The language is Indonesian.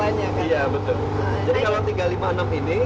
iya betul jadi kalau tiga ratus lima puluh enam ini